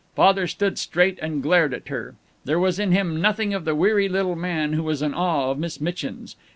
Father stood straight and glared at her. There was in him nothing of the weary little man who was in awe of Miss Mitchin's.